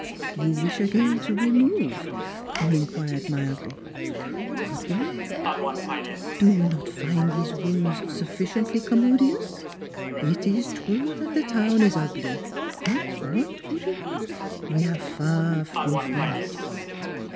"You wish again to remove?" he inquired mildly ;" but where ? Do you not find these rooms sufficiently commodious? It is true that the town is ugly; but what would you? We are far from France."